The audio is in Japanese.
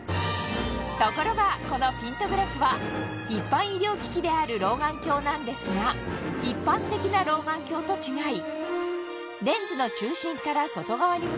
ところがこのピントグラスはである老眼鏡なんですが一般的な老眼鏡と違い